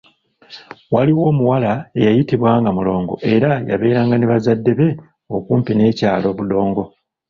Waaliwo omuwala eyayitibwa nga Mulongo era yabeeranga ne bazadde be, okumpi n'ekyalo Budongo.